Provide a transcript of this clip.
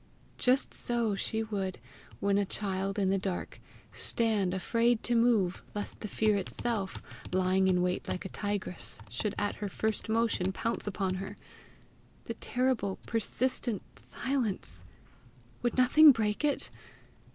Just so she would, when a child in the dark, stand afraid to move lest the fear itself, lying in wait like a tigress, should at her first motion pounce upon her. The terrible, persistent silence! would nothing break it!